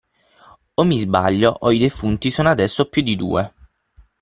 O mi sbaglio o i defunti sono adesso più di due!